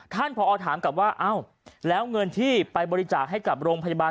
พอถามกลับว่าเอ้าแล้วเงินที่ไปบริจาคให้กับโรงพยาบาล